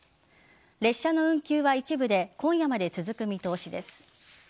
列車の運休は一部で今夜まで続く見通しです。